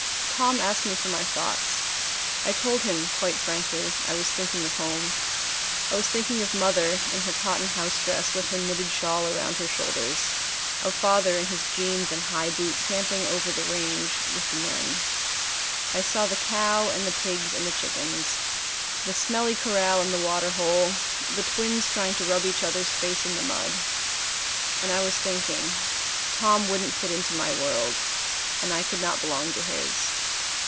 Tom asked me for my thoughts. I told him, quite frankly, I was thinking of home. I was thinking of mother in her cotton house dress with her knitted shawl around her shoulders, of father in his jeans and high boots tramping over the range with the men; I saw the cow and the pigs and the chickens, the smelly corral and the water hole, the twins trying to rub each other's face in the mud. And I was thinking Tom would n't fit into my world, and I could not belong to his.